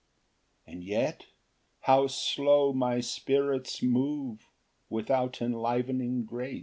And yet how slow my spirits move Without enlivening grace!